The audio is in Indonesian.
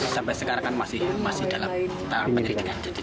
sampai sekarang kan masih dalam tahap penyelidikan